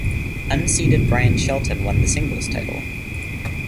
Unseeded Bryan Shelton won the singles title.